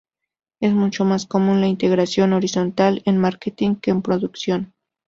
Es mucho más común la integración horizontal en marketing, que en producción.